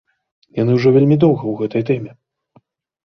Яны ўжо вельмі доўга ў гэтай тэме.